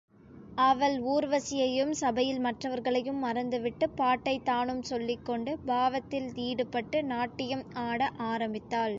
அவள் ஊர்வசியையும் சபையில் மற்றவர்களையும் மறந்துவிட்டுப் பாட்டைத் தானும் சொல்லிக்கொண்டு, பாவத்தில் ஈடுபட்டு நாட்டியும் ஆட ஆரம்பித்தாள்.